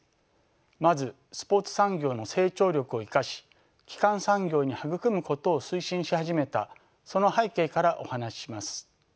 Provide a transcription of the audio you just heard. まずスポーツ産業の成長力を生かし基幹産業に育むことを推進し始めたその背景からお話しします。